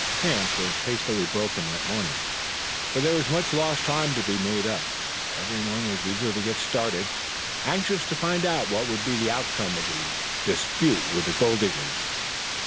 Camp was hastily broken that morning, for there was much lost time to be made up. Everyone was eager to get started, anxious to find out what would be the outcome of the dispute with the gold diggers.